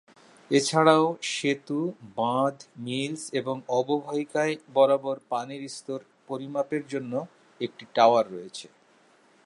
এছাড়াও সেতু, বাঁধ, মিলস, এবং অববাহিকায় বরাবর পানির স্তর পরিমাপ জন্য একটি টাওয়ার রয়েছে।